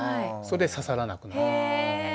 それで刺さらなくなる。